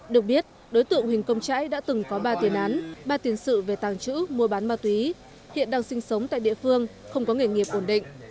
được biết đối tượng huỳnh công trãi đã từng có ba tiền án ba tiền sự về tàng trữ mua bán ma túy hiện đang sinh sống tại địa phương không có nghề nghiệp ổn định